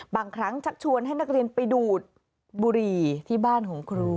บางครั้งชักชวนให้นักเรียนไปดูดบุหรี่ที่บ้านของครู